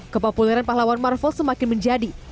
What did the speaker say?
kepopuleran pahlawan marvel semakin menjadi